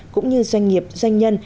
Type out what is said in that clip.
cũng như doanh nghiệp doanh nhân